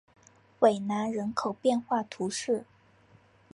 韦南人口变化图示